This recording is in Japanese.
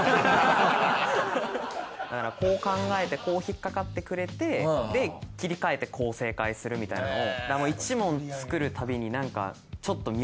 だからこう考えてこう引っかかってくれてで切り替えてこう正解するみたいなのを。